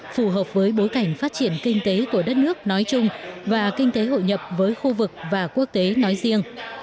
phù hợp với bối cảnh phát triển kinh tế của đất nước nói chung và kinh tế hội nhập với khu vực và quốc tế nói riêng